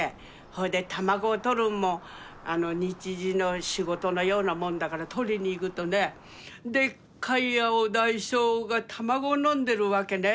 ほいで卵をとるんもにちじの仕事のようなもんだからとりにいくとねでっかいアオダイショウが卵のんでるわけね。